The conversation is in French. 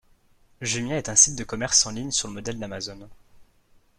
Jumia est un site de commerce en ligne sur le modèle d'Amazon.